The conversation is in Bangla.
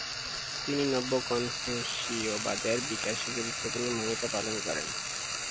তিনি নব্য-কনফুসীয়বাদের বিকাশে গুরুত্বপূর্ণ ভূমিকা পালন করেন।